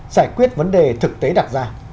giải quyết vấn đề thực tế đặc gia